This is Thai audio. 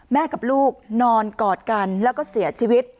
กับลูกนอนกอดกันแล้วก็เสียชีวิต